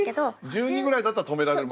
１２ぐらいだったら止められるまだ。